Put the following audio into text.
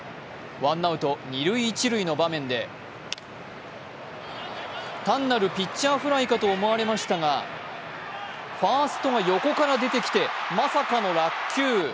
ワンアウト二・一塁の場面で単なるピッチャーフライかと思われましたがファーストが横から出てきてまさかの落球。